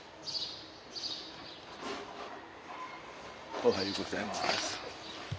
おはようございます。